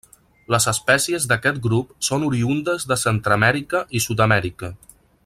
Les espècies d'aquest grup són oriündes de Centreamèrica i Sud-amèrica.